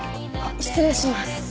失礼します。